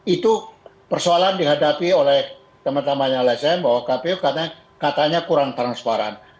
itu persoalan dihadapi oleh teman temannya lsm bahwa kpu katanya kurang transparan